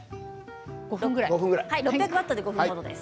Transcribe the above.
６００ワットで５分です。